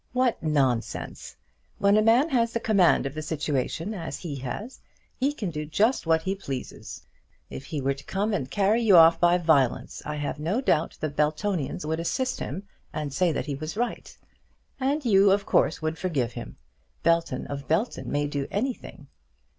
"What nonsense! When a man has the command of the situation, as he has, he can do just what he pleases. If he were to come and carry you off by violence, I have no doubt the Beltonians would assist him, and say that he was right. And you of course would forgive him. Belton of Belton may do anything."